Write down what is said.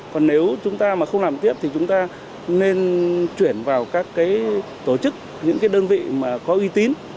còn nếu chúng ta mà không làm tiếp thì chúng ta nên chuyển vào các tổ chức những cái đơn vị mà có uy tín